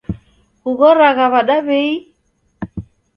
Kughoragha w'ada w'ei?